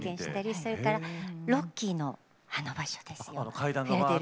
それから「ロッキー」のあの場所ですよ。